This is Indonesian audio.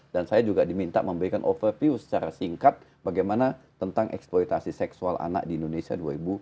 dan saya juga di minta memberikan overview secara singkat bagaimana tentang eksploitasi seksual anak di indonesia dua ribu satu